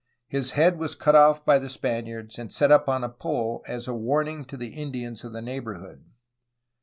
His head was cut off by the Spaniards and set up on a pole as a warning to the Indians of the neighborhood.